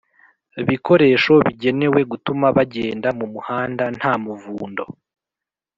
bikoresho bigenewe gutuma bagenda mu muhanda nta muvundo